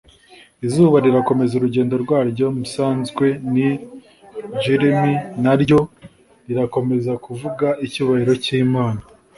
Izuba rirakomeza urugendo rwaryo msanzwe n'ijLm na ryo rirakomeza kuvuga icyubahiro cy'Imana.